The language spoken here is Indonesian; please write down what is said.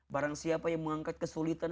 barang siapa yang mengangkat kesulitan